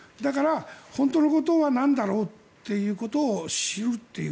本当のことはなんだろうということを知るという。